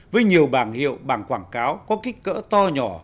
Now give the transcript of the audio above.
với nhiều bảng hiệu bảng quảng cáo có kích cỡ to nhỏ